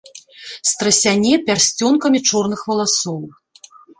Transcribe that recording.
Страсяне пярсцёнкамі чорных валасоў.